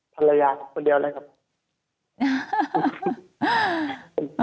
ภรรยาคนเดียวแล้วครับ